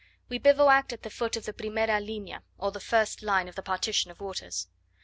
We bivouacked at the foot of the "primera linea," or the first line of the partition of waters.